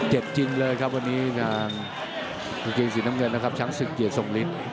เจ็บจริงเลยครับวันนี้กางเกงสีน้ำเงินนะครับชั้นสึกเกลียดส่งฤทธิ์